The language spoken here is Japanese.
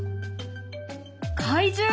怪獣！？